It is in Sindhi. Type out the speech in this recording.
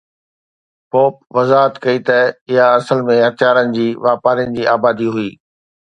پوپ وضاحت ڪئي ته اها اصل ۾ هٿيارن جي واپارين جي آبادي هئي.